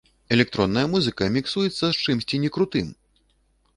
Электронная музыка міксуецца з чымсьці некрутым!